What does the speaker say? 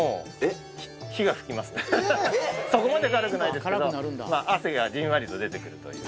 そこまで辛くないですけど汗がじんわりと出て来るという。